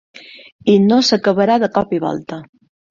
I no s’acabarà de cop i volta.